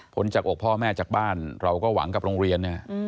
จากอกพ่อแม่จากบ้านเราก็หวังกับโรงเรียนเนี่ย